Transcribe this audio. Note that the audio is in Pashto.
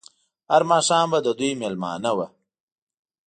هر ماښام به د دوی مېلمانه وو.